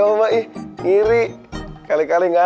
enak sekali ya